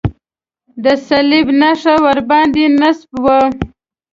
د صلیب نښه ورباندې نصب وه.